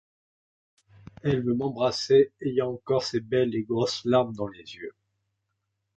Elle veut m'embrasser, ayant encore ses belles et grosses larmes dans les yeux.